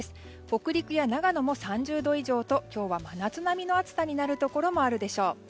北陸や長野も３０度以上と今日は真夏並みの暑さになるところもあるでしょう。